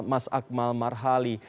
mas akmal marhali